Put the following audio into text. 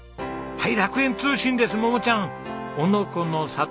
はい！